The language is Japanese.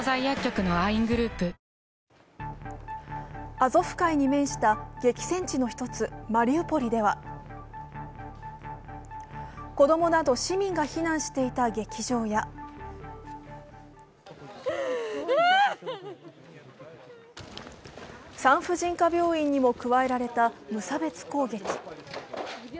アゾフ海に面した激戦地の１つ、マリウポリでは子供など市民が避難していた劇場や産婦人科病院にも加えられた無差別攻撃。